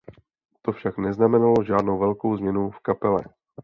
To však neznamenalo žádnou velkou změnu v kapele.